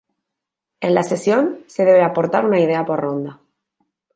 En la sesión se debe aportar una idea por ronda.